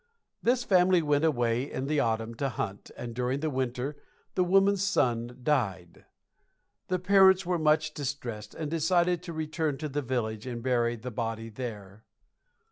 This family went away in the autumn to hunt, and during the winter the woman's son died. The parents were much distressed and decided to return to the village and bury the body there.